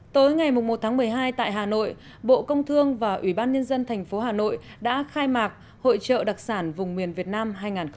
tối ngày một tháng một mươi hai tại hà nội bộ công thương và ủy ban nhân dân thành phố hà nội đã khai mạc hội trợ đặc sản vùng miền việt nam hai nghìn một mươi chín